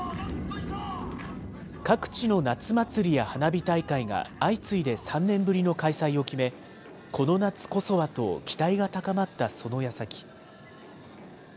各地の夏祭りや花火大会が相次いで３年ぶりの開催を決め、この夏こそはと期待が高まったそのやさき。